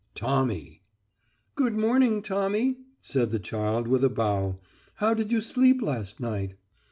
"Tommy." "Good morning, Tommy," said the child, with a bow. "How did you sleep last night?"